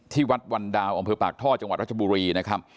ที่วัดวันดาวอปากท่อจังหวัดรัชบุรี